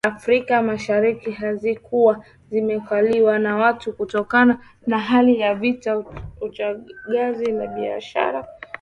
Afrika mashariki hazikuwa zimekaliwa na watu Kutokana na hali ya vita uchungaji na biashara